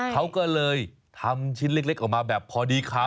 เขาก็เลยทำชิ้นเล็กออกมาแบบพอดีคำ